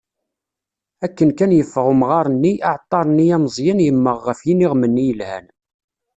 Akken kan yeffeγ umγar-nni, aεeṭṭar-nni ameẓyan, yemmeγ γef yiniγem-nni yelhan.